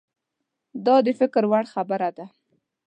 دا د فکر وړ خبره ده.